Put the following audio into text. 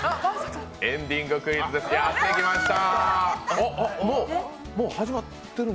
エンディングクイズですやってきました。